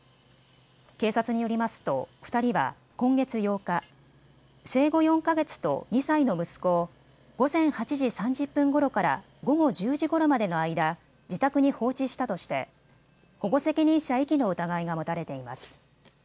警察によりますと２人は今月８日、生後４か月と２歳の息子を午前８時３０分ごろから午後１０時ごろまでの間、自宅に放置したとして保護責任者遺棄の疑いが持たれています。